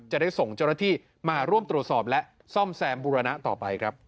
จะได้ส่งเจ้าหน้าที่มาร่วมตรวจสอบและซ่อมแซมบูรณะต่อไปครับ